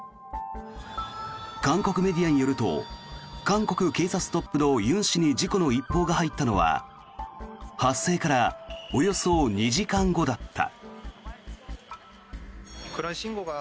韓国メディアによると韓国警察トップのユン氏に事故の一報が入ったのは発生からおよそ２時間後だった。